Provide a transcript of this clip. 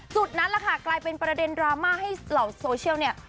นั่นแหละค่ะกลายเป็นประเด็นดราม่าให้เหล่าโซเชียลเนี่ย